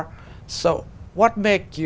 làm sao các quý vị